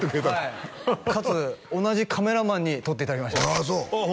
はいかつ同じカメラマンに撮っていただきましたあっ